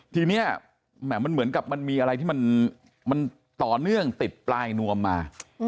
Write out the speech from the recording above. ทีนี้มันเหมือนกับมันมีอะไรที่มันต่อเนื่องติดปลายนวมมา